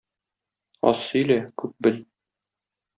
Аз сөйлә, күп бел!